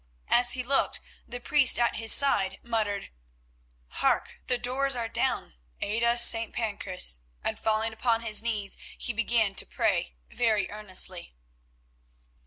As he looked the priest at his side muttered: "Hark! The doors are down. Aid us, St. Pancras!" and falling upon his knees he began to pray very earnestly.